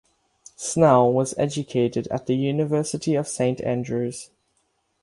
Snell was educated at the University of St Andrews.